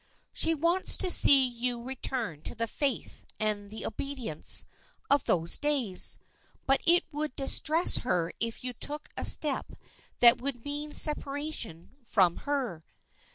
"She wants to see you return to the faith, and the obedience, of those days; but it would distress her if you took a step that would mean separation from her."